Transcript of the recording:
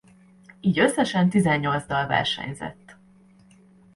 Így összesen tizennyolc dal versenyzett.